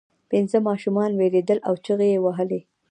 پنځه ماشومان ویرېدل او چیغې یې وهلې.